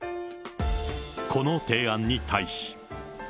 この提案に対し。